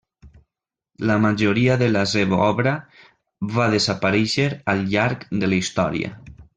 La majoria de la seva obra va desaparèixer al llarg de la història.